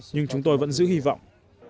nhưng chúng tôi vẫn giữ hy vọng